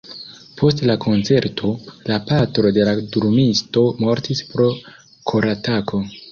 Post la koncerto, la patro de la drumisto mortis pro koratako.